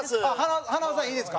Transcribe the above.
蛍原：塙さん、いいですか。